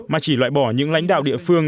mà chỉ loại bỏ những lãnh đạo địa phương